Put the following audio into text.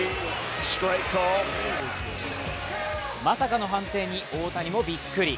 まさかの判定に大谷もビックリ。